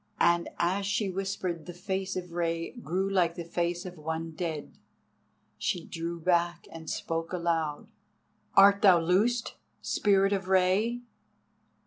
And as she whispered the face of Rei grew like the face of one dead. She drew back and spoke aloud: "Art thou loosed, Spirit of Rei?"